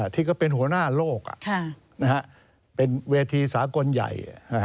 ที่เป็นหัวหน้าโลกเป็นเวทีสากลใหญ่